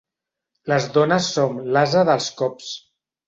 Les dones som l'ase dels cops.